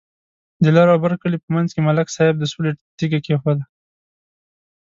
د لر او بر کلي په منځ کې ملک صاحب د سولې تیگه کېښوده.